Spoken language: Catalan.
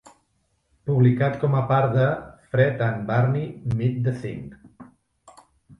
Publicat com a part de "Fred and Barney Meet The Thing"